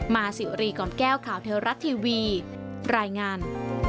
มาสิวรีกล่อมแก้วข่าวเทวรัฐทีวีรายงาน